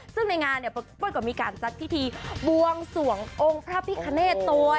ซึ่งในงานเนี่ยเป้ยก็มีการจัดพิธีบวงสวงองค์พระพิคเนตตัว